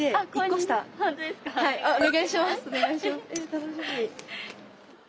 楽しみ。